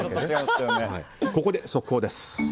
ここで速報です。